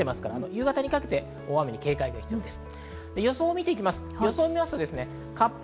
夕方にかけて大雨に警戒が必要です。